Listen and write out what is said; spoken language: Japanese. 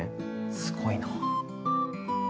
すごいな。